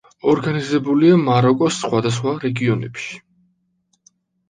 ორგანიზებულია მაროკოს სხვადასხვა რეგიონებში.